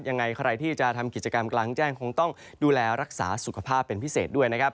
ยังไงใครที่จะทำกิจกรรมกลางแจ้งคงต้องดูแลรักษาสุขภาพเป็นพิเศษด้วยนะครับ